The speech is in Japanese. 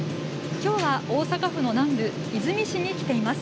きょうは大阪府の南部・和泉市に来ています。